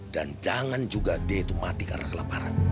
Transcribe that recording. dan jangan juga dia itu mati karena kelaparan